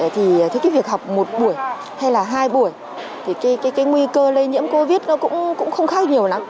thì cái việc học một buổi hay là hai buổi thì cái nguy cơ lây nhiễm covid nó cũng không khác nhiều lắm